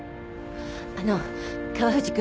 あの川藤君。